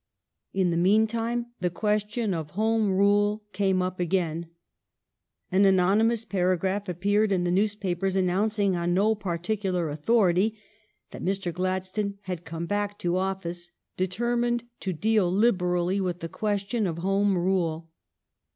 In the meantime the question of Home Rule came up again. An anonymous paragraph ap peared in the newspapers announcing, on no par ticular authority, that Mr. Gladstone had come back to office determined to deal liberally with the question of Home Rule.